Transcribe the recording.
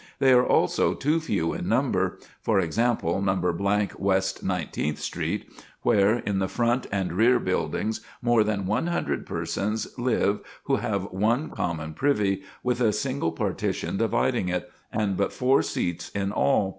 They are also too few in number; for example, No. West Nineteenth Street, where in the front and rear buildings more than one hundred persons live who have one common privy, with a single partition dividing it, and but four seats in all.